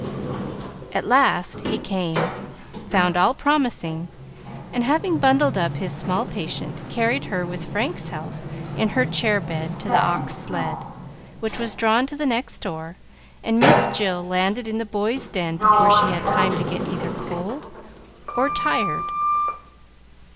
At last he came, found all promising, and having bundled up his small patient, carried her, with Frank's help, in her chair bed to the ox sled, which was drawn to the next door, and Miss Jill landed in the Boys' Den before she had time to get either cold or tired.